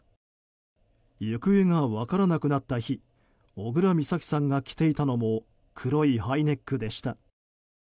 行方が分からなくなった日小倉美咲さんが着ていたのも黒いハイネックでした。